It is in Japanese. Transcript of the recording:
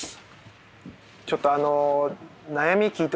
ちょっとあのええ！